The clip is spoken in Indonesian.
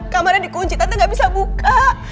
kamarnya di kunci tante gak bisa buka